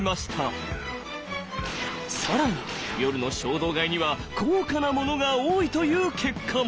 更に夜の衝動買いには高価なものが多いという結果も。